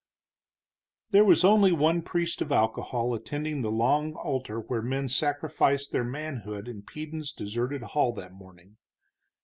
There was only one priest of alcohol attending the long altar where men sacrificed their manhood in Peden's deserted hall that morning.